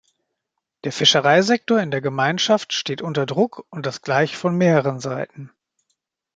Der Fischereisektor in der Gemeinschaft steht unter Druck und das gleich von mehreren Seiten.